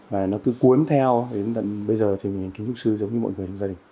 và nó cứ cuốn theo đến bây giờ thì mình kiến trúc sư giống như mọi người trong gia đình